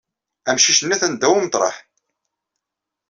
Amcic-nni atan ddaw umeṭreḥ.